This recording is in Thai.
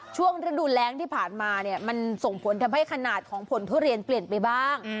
ช่วงฤดูแรงที่ผ่านมาเนี่ยมันส่งผลทำให้ขนาดของผลทุเรียนเปลี่ยนไปบ้าง